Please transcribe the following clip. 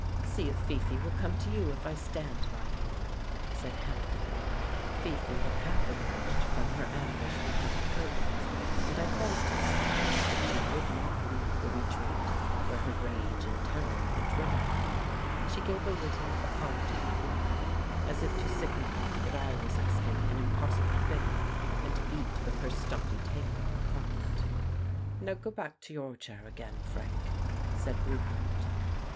" "See if Fifi will come to you if I stand by you," said Hampden. Fifi had half emerged from her ambush behind the curtains, and I called to her. But she would not leave the retreat where her rage and terror had driven her. She gave a little apologetic whine, as if to signify that I was asking an impossible thing, and beat with her stumpy tail on the carpet. 147 The Case of Frank Hampden "Now go back to your chair again, Frank," said Roupert.